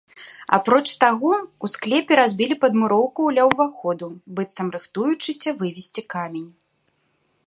Апроч таго, у склепе разбілі падмуроўку ля ўваходу, быццам рыхтуючыся вывезці камень.